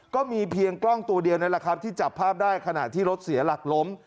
ก็มีเพียงกล้องตัวเดียวนั่นแหละครับที่จับภาพได้ขณะที่รถเสียหลักล้ม